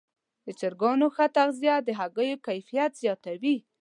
د چرګانو ښه تغذیه د هګیو کیفیت زیاتوي.